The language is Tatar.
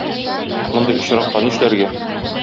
Мондый очракта нишләргә?